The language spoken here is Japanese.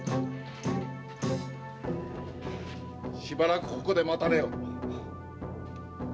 しばらくここで待たれよ。